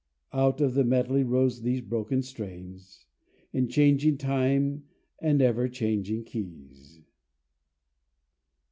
Out of the medley rose these broken strains, In changing time and ever changing keys.